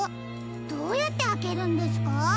どうやってあけるんですか？